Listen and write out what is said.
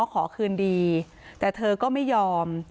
สวัสดีครับทุกคน